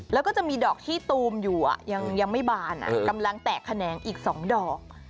แล้วก็จะมีดอกขี้ตูมอยู่ยังไม่บานกำลังแตกแขนงอีก๒ดอก